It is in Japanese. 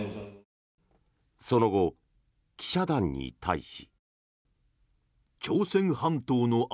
その後、記者団に対し。